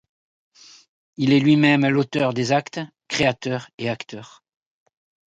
Il est lui-même l'Auteur des actes, créateur et acteur.